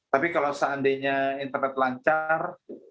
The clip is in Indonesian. tapi kalau seandainya internet lancar